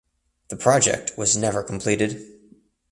The project was never completed.